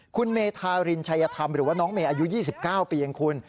คุณเมธารินชัยธรรมหรือว่าน้องเมย์อายุ๒๙ปีเองคุณ